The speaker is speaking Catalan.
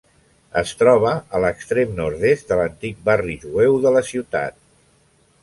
Es troba a l'extrem nord-est de l'antic barri jueu de la ciutat.